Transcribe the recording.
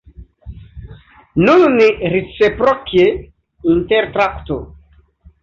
Nun ni reciproke intertraktu!